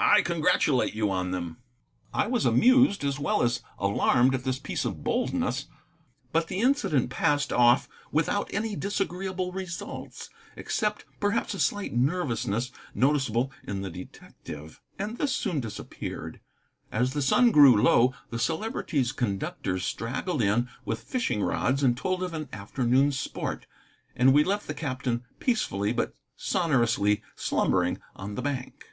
I congratulate you on them." I was amused as well as alarmed at this piece of boldness, but the incident passed off without any disagreeable results, except, perhaps, a slight nervousness noticeable in the detective; and this soon disappeared. As the sun grew low, the Celebrity's conductors straggled in with fishing rods and told of an afternoon's sport, and we left the captain peacefully but sonorously slumbering on the bank.